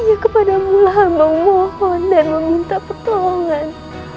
hanya kepadamu lahem memohon dan meminta pertolongan